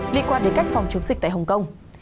liên quan đến cách phòng chống dịch tại hồng kông